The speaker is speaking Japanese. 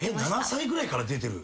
７歳ぐらいから出てる？